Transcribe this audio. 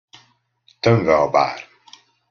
Tömve a bár.